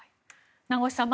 名越さん